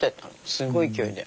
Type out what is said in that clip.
すごい勢いで。